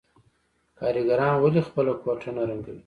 کارګران ولې خپله کوټه نه رنګوي